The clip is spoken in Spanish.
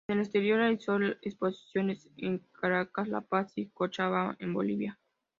En el exterior realizó exposiciones en Caracas, La Paz y Cochabamba, en Bolivia.